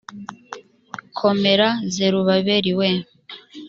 komera zerubabeli we